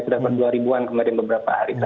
sudah berdua ribuan kemarin beberapa hari terakhir